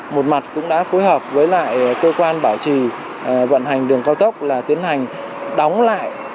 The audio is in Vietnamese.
một mặt cũng đã phối hợp với lại cơ quan bảo trì vận hành đường cao tốc là tiến hành đóng lại